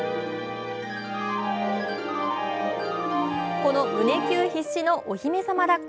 この胸キュン必至のお姫様だっこ。